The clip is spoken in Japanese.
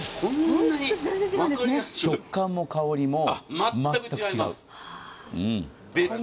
食感も香りも全く違う。